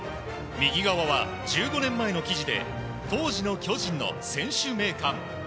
右側は１５年前の記事で当時の巨人の選手名鑑。